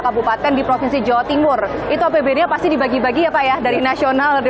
kabupaten di provinsi jawa timur itu obyeknya pasti dibagi bagi apa ya dari nasional di